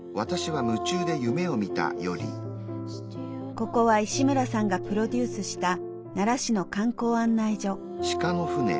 ここは石村さんがプロデュースした奈良市の観光案内所。